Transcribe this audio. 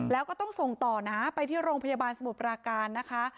แล้วก็ต้องส่งต่อนะไปที่โรงพยาบาลสมุทรปราการนะคะ